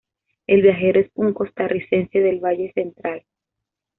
El viajero es un costarricense del Valle Central.